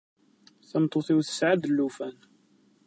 Tameṭṭut-iw tesɛa-d llufan.